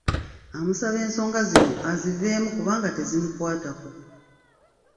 Amusaba ensonga zino aziveemu kubanga tezimukwatako.